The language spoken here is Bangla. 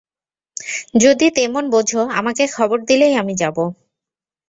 যদি তেমন বোঝ আমাকে খবর দিলেই আমি যাব।